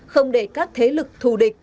không để các thế lực thù địch